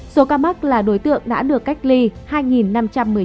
số ca mắc là đối tượng đã được cách ly hai